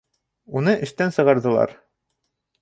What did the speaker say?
Уны эштән сығарҙылар